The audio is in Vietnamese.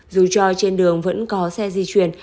dù cho trên đường vẫn có xe di chuyển